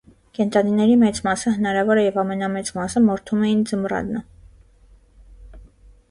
Կենդանիների մեծ մասը, հնարավոր է և ամենամեծ մասը, մորթում էին ձմռանը։